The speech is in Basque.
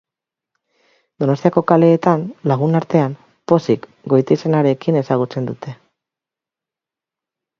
Donostiako kaleetan, lagunartean, Pozik goitizenarekin ezagutzen dute.